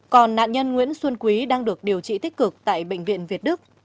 còn nạn nhân nguyễn xuân quý đang được điều trị tích cực tại bệnh viện việt đức